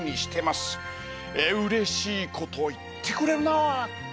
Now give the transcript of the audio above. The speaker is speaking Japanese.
うれしいこと言ってくれるなあ。